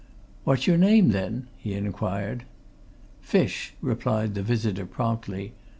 "What's your name, then?" he inquired. "Fish," replied the visitor, promptly.